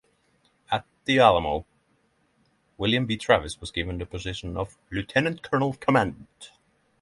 At the Alamo, William B. Travis was given the position of lieutenant colonel commandant.